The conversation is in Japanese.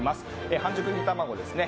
半熟いり卵ですね。